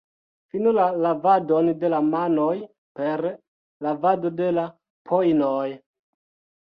Finu la lavadon de manoj per lavado de la pojnoj.